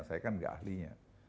saya kan tidak ahlinya